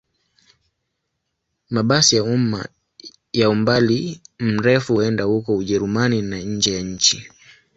Mabasi ya umma ya umbali mrefu huenda huko Ujerumani na nje ya nchi.